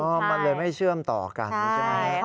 มันเลยไม่เชื่อมต่อกันใช่ไหม